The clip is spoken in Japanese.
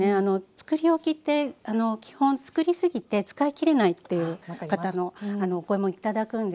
つくりおきって基本つくり過ぎて使い切れないっていう方のお声も頂くんですが。